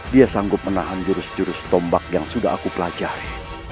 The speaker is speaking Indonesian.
dia sanggup menahan jurus jurus tombak yang sudah aku pelajari